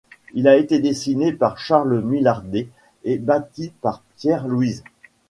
Il a été dessiné par Charles Millardet et bâti par Pierre Louise.